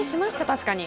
確かに。